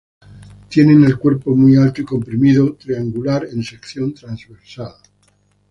Tienen el cuerpo muy alto y comprimido, triangular en sección transversal.